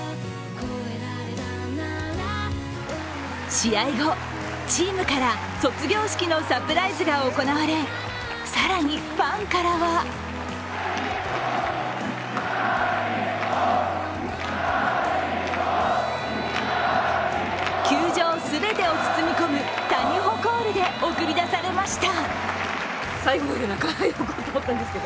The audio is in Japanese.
試合後、チームから卒業式のサプライズが行われ、更に、ファンからは球場全てを包み込む谷保コールで送り出されました。